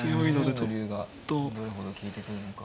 ２二の竜がどれほど利いてくるのか。